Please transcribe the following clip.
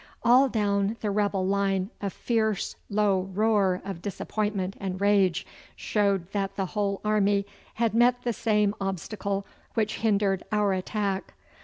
All down the rebel line a fierce low roar of disappointment and rage showed that the whole army had met the same obstacle which hindered our attack.